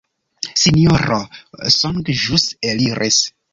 Sinjoro Song ĵus eliris.